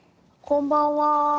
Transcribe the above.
こんばんは。